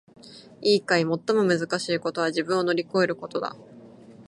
いいかい！最もむずかしいことは自分を乗り越えることだ！